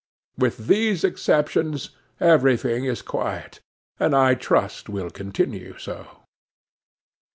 With these exceptions everything is quiet, and I trust will continue so.